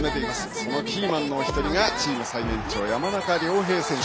そのキーマンのお一人がチーム最年長の山中亮平選手。